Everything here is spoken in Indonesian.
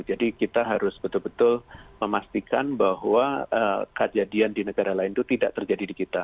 jadi kita harus betul betul memastikan bahwa kejadian di negara lain itu tidak terjadi di kita